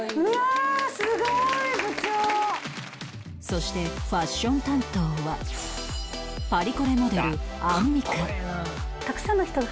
そしてファッション担当はパリコレモデルアンミカ